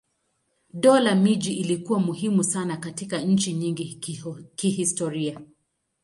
Dola miji ilikuwa muhimu sana katika nchi nyingi kihistoria.